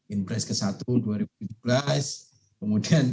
in price ke satu dua ribu tujuh belas kemudian